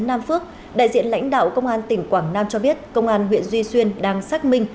nam phước đại diện lãnh đạo công an tỉnh quảng nam cho biết công an huyện duy xuyên đang xác minh